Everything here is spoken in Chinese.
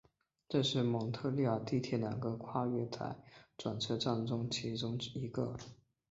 这是蒙特利尔地铁两个跨月台转车站中其中一个。